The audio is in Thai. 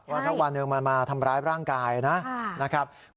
ว่าเช่าวันหนึ่งมันมาทำร้ายร่างกายนะ